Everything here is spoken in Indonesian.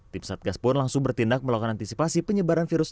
tim satgas pun langsung bertindak melakukan antisipasi penyebaran virus